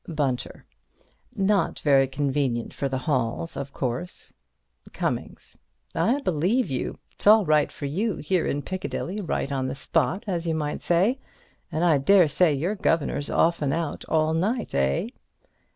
Bunter: Not very convenient for the Halls, of course. Cummings: I believe you. It's all right for you, here in Piccadilly, right on the spot as you might say. And I daresay your governor's often out all night, eh?